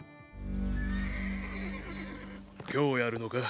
今日やるのか？